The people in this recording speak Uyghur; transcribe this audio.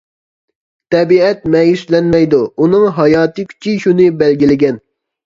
تەبىئەت مەيۈسلەنمەيدۇ، ئۇنىڭ ھاياتىي كۈچى شۇنى بەلگىلىگەن.